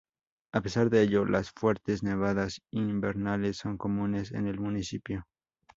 A pesar de ello, las fuertes nevadas invernales son comunes en el municipio.